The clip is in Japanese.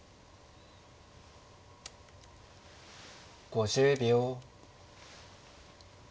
５０秒。